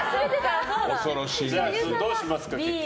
どうしますか、結局。